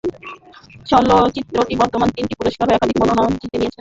চলচ্চিত্রটি বর্তমানে তিনটি পুরস্কার এবং একাধিক মনোনয়ন জিতে নিয়েছে।